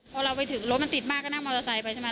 พอเราไปถึงรถมันติดมากก็นั่งมอเตอร์ไซค์ไปใช่ไหม